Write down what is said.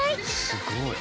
すごい。